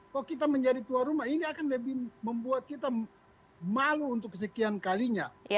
kalau kita menjadi tuan rumah ini akan lebih membuat kita malu untuk kesekian kalinya